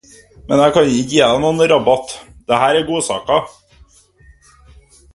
Men jeg kan ikke gi deg noen rabatt. Dette er gode saker!